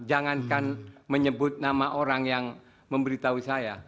jangankan menyebut nama orang yang memberitahu saya